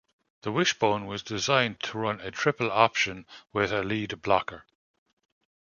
The wishbone was designed to run a triple-option with a lead blocker.